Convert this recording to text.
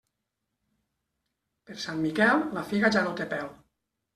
Per Sant Miquel, la figa ja no té pèl.